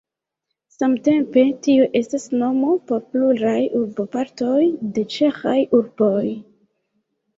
Samtempe tio estas nomo por pluraj urbopartoj de ĉeĥaj urboj.